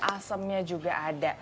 asamnya juga ada